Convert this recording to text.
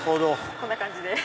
こんな感じで。